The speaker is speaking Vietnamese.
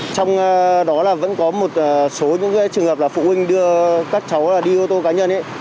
trong đó là vẫn có một số những trường hợp là phụ huynh đưa các cháu đi ô tô cá nhân